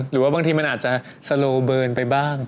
หรือว่าบางทีมันอาจจะสโลเบิร์นไปบ้าง